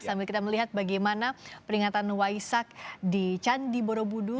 sambil kita melihat bagaimana peringatan waisak di candi borobudur